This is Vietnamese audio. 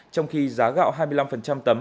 trong khi giá gạo hai mươi năm tấm